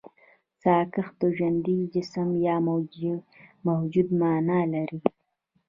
ساکښ د ژوندي جسم يا موجود مانا لري.